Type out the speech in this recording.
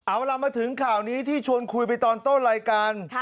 เอาล่ะมาถึงข่าวนี้ที่ชวนคุยไปตอนต้นรายการ